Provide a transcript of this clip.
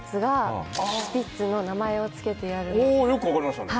よく分かりましたね。